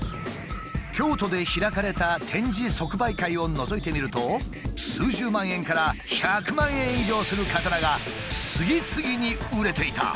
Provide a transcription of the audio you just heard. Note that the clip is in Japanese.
京都で開かれた展示即売会をのぞいてみると数十万円から１００万円以上する刀が次々に売れていた。